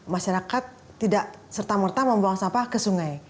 masyarakat tidak serta merta membuang sampah ke sungai